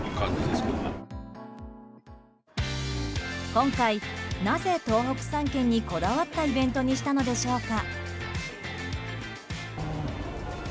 今回、なぜ東北３県にこだわったイベントにしたのでしょうか。